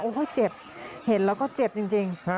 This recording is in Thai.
เจ็บเห็นแล้วก็เจ็บจริง